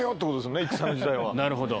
なるほど。